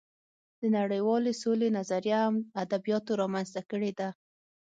د نړۍوالې سولې نظریه هم ادبیاتو رامنځته کړې ده